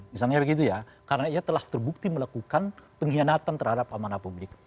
misalnya begitu ya karena ia telah terbukti melakukan pengkhianatan terhadap amanah publik